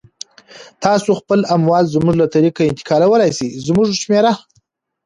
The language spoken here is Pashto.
تاسو خپل اموال زموږ له طریقه انتقالولای سی، زموږ شمیره